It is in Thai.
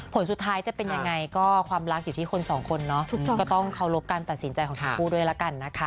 ผลสุดท้ายจะเป็นยังไงก็ความรักอยู่ที่คนสองคนเนาะก็ต้องเคารพการตัดสินใจของทั้งคู่ด้วยละกันนะคะ